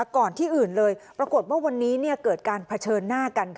ก่อนที่อื่นเลยปรากฏว่าวันนี้เกิดการเผชิญหน้ากัน